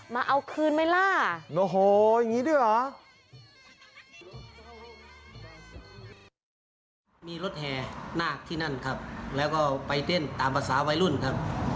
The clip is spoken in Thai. มาเอาคืนไหมล่ะ